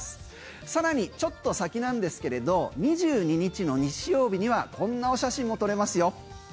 さらにちょっと先なんですけれど２２日の日曜日にはこんなお写真も撮れますよ。